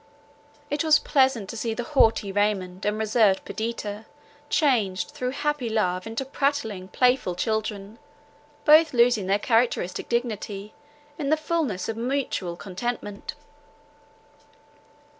It was pleasant to see the haughty Raymond and reserved Perdita changed through happy love into prattling, playful children, both losing their characteristic dignity in the fulness of mutual contentment.